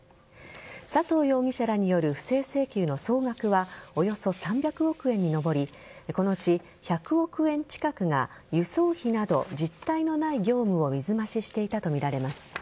佐藤容疑者らによる不正請求の総額はおよそ３００億円に上りこのうち１００億円近くが輸送費など実態のない業務を水増ししていたとみられます。